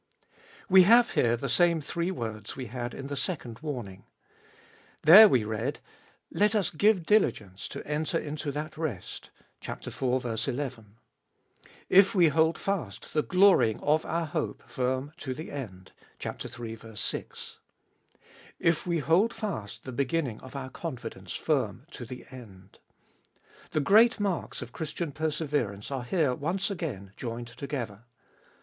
We have here the same three words we had in the second warning. There we read, " Let us give diligence to enter into that rest " (iv. 1 1). " If we hold fast the glorying of our hope firm to the end (iii. 6). " If we hold fast the beginning of our con fidence firm to the end." The great marks of Christian perse verance are here once again joined together.